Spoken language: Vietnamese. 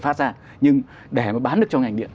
phát ra nhưng để mà bán được cho ngành điện